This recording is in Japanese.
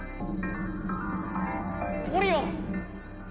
オリオン！